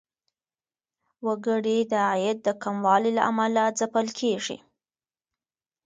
وګړي د عاید د کموالي له امله ځپل کیږي.